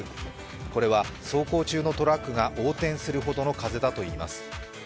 これは走行中のトラックが横転するほどの風だといいます。